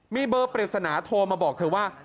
มีเบอร์ปริศนาโทรมาบอกเธอว่า